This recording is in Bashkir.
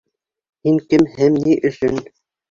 Һин кем һәм ни өсөн?